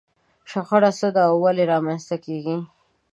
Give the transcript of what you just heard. شخړه څه ده او ولې رامنځته کېږي؟